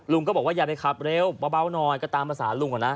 ลุงก็บอกว่าอย่าไปขับเร็วเบาหน่อยก็ตามภาษาลุงก่อนนะ